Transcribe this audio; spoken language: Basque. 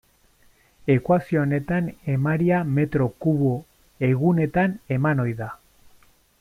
Ekuazio honetan emaria metro kubo egunetan eman ohi da.